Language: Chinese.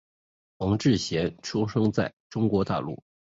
黄志贤出生在中国大陆。